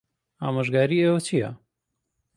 ئامۆژگاریی ئێوە چییە؟